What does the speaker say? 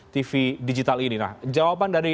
tv digital ini nah jawaban dari